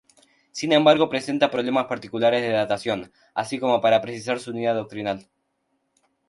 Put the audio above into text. Sin embargo presenta problemas particulares de datación, así como para precisar su unidad doctrinal.